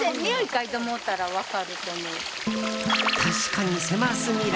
確かに狭すぎる。